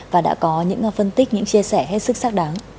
và đã có những phân tích những chia sẻ hết sức xác đáng